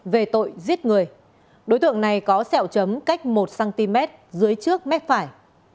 về tội giết người đối tượng này có sẹo chấm cách một cm dưới trước mép phải